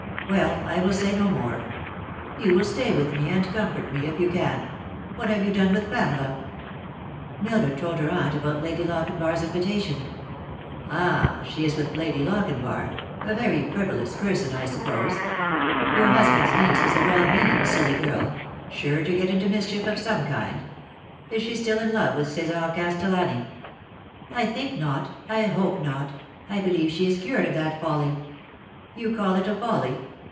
Well, I will say no more. You will stay with me and comfort me, if you oan. What have yeu done with Pamela ?" Mildred told her aunt about Lady Lochinvar's invitation. " Ah ! she is with Lady Lochinvar. A very frivolous per Bon, I suppose. Your husband's niece is a well meaning silly girl ; sure to get into mischief of some kind. Is she still in love with Cesar Castellani ?"" I think not I hope not. I believe she is cured of that folly." " You call it a folly